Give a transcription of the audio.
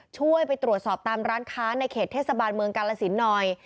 ช่วยไปตรวจสอบตามร้านค้าในเขตเทศบาลเมืองกาลสินหน่อย